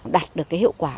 đạt được hiệu quả